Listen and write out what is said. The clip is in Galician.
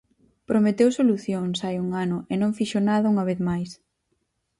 Prometeu solucións hai un ano e non fixo nada unha vez máis.